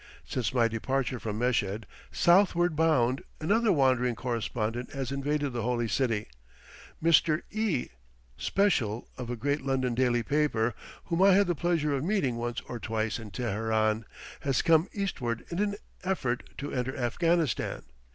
Since my departure from Meshed, southward bound, another wandering correspondent has invaded the Holy City. Mr. E , "special" of a great London daily paper, whom I had the pleasure of meeting once or twice in Teheran, has come eastward in an effort to enter Afghanistan.